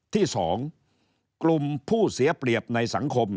ที่๒กลุ่มผู้เสียเปรียบในสังคม